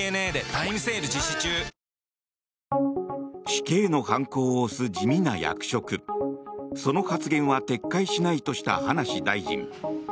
死刑の判子を押す地味な役職その発言は撤回しないとした葉梨大臣。